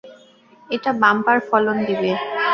এটা বাম্পার ফলন দিবে।